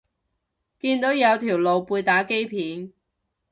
見到有條露背打機片